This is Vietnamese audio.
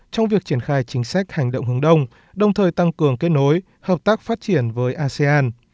trong việc triển khai chính sách hành động hướng đông đồng thời tăng cường kết nối hợp tác phát triển với asean